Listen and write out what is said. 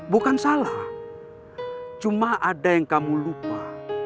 bukan salah cuma ada yang kamu lupa